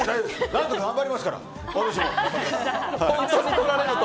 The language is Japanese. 何とか頑張りますから、私も。